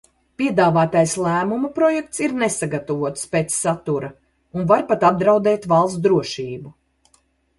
Piedāvātais lēmuma projekts ir nesagatavots pēc satura un var pat apdraudēt valsts drošību.